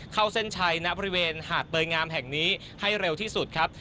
เข้าเส้นชัยณบริเวณหาดเตยงามแห่งนี้ให้เร็วที่สุดครับ